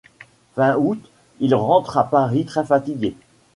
Fin août, il rentre à Paris très fatigué.